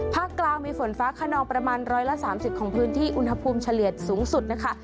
กลางมีฝนฟ้าขนองประมาณ๑๓๐ของพื้นที่อุณหภูมิเฉลี่ยสูงสุดนะคะ